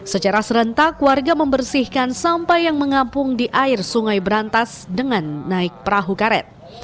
secara serentak warga membersihkan sampah yang mengampung di air sungai berantas dengan naik perahu karet